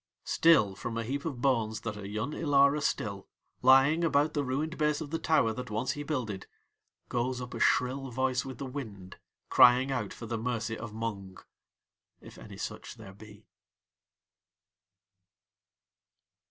Still from a heap of bones that are Yun Ilara still, lying about the ruined base of the tower that once he builded, goes up a shrill voice with the wind crying out for the mercy of Mung, if any such there be.